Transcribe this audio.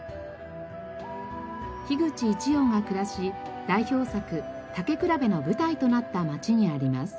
口一葉が暮らし代表作『たけくらべ』の舞台となった町にあります。